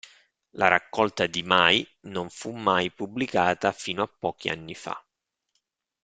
La raccolta di Mai non fu mai pubblicata fino a pochi anni fa.